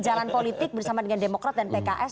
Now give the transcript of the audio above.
jalan politik bersama dengan demokrat dan pks